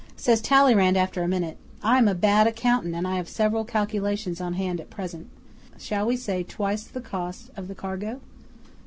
Says Talleyrand after a minute, "I am a bad accountant and I have several calculations on hand at present. Shall we say twice the cost of the cargo?"